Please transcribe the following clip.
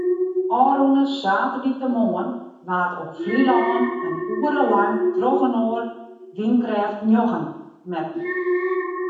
Ofrûne saterdeitemoarn waard op Flylân in oere lang trochinoar wynkrêft njoggen metten.